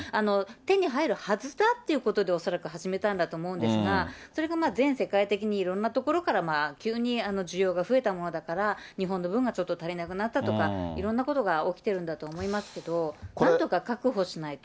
手に入るはずだということで恐らく始めたんだと思うんですが、それが全世界的にいろんなところから急に需要が増えたものだから、日本の分がちょっと足りなくなったとか、いろんなことが起きてるんだと思いますけれども、なんとか確保しないと。